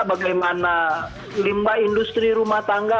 bagaimana limbah industri rumah tangga